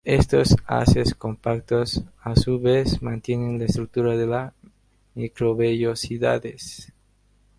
Estos haces compactos, a su vez, mantienen la estructura de las microvellosidades.